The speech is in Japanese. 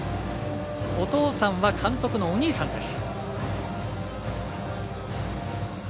お父さんは監督のお兄さんです。